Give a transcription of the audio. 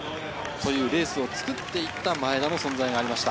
レースを作っていった前田の存在がありました。